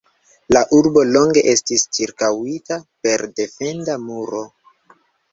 La urbo longe estis ĉirkaŭita per defenda muro.